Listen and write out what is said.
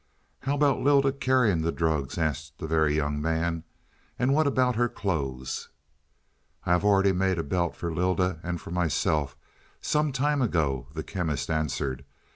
"How about Lylda carrying the drugs?" asked the Very Young Man. "And what about her clothes?" "I have already made a belt for Lylda and for myself some time ago," the Chemist answered.